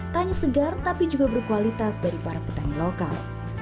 tak hanya segar tapi juga berkualitas dari para petani lokal